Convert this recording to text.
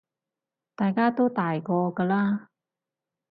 大家都大個㗎喇